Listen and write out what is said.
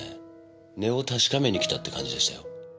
値を確かめに来たって感じでしたよ。